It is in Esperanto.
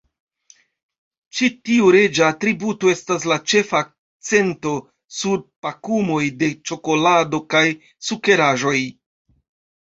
Ĉi tiu reĝa atributo estas la ĉefa akcento sur pakumoj de ĉokolado kaj sukeraĵoj.